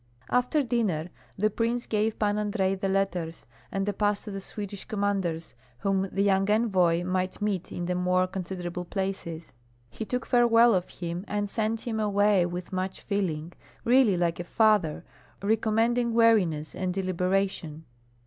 After dinner the prince gave Pan Andrei the letters and a pass to the Swedish commanders whom the young envoy might meet in the more considerable places; he took farewell of him and sent him away with much feeling, really like a father, recommending wariness and deliberation.